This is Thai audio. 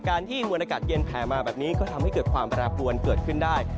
ที่มวลอากาศเย็นแผลมาแบบนี้ก็ทำให้เกิดความแปรปวนเกิดขึ้นได้